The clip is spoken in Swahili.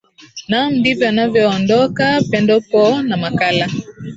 naam ndivyo anavyoondoka pendo po na makala